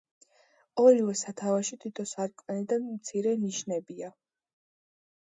ორივე სათავსში თითო სარკმელი და მცირე ნიშებია.